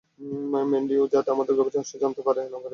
ম্যান্ডিও যাতে আমাদের গভীর রহস্য জানতে না পারে।